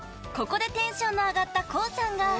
［ここでテンションの上がったＫＯＯさんが］